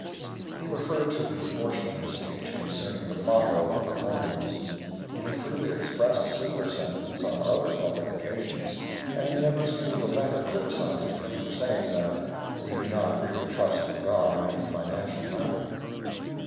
He referred to the portion of his speech concerning the motto on the coins. He had freely expressed similar sentiments on other public occasions, and he had received a letter criticizing him for saying that we do not really trust in God in any financial matter.